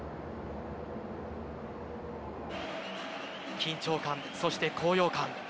緊張感、そして高揚感。